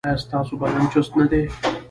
ایا ستاسو بدن چست نه دی؟